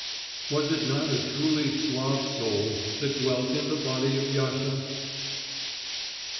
Was it not a truly Slav soul that dwelt in the body of Yasha?"